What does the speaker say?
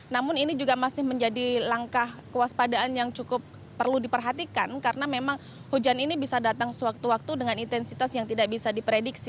namun ini juga masih menjadi langkah kewaspadaan yang cukup perlu diperhatikan karena memang hujan ini bisa datang sewaktu waktu dengan intensitas yang tidak bisa diprediksi